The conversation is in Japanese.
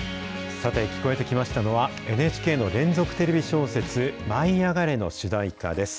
さて、聞こえてきましたのは、ＮＨＫの連続テレビ小説、舞いあがれ！の主題歌です。